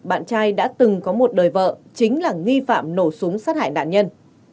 bạn trai đã từng có một đời vợ chính là nghi phạm nổ súng sát hại nạn nhân